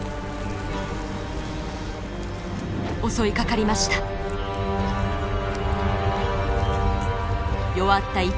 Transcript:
襲いかかりました。